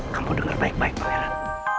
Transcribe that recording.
kamu dengar baik baik pangeran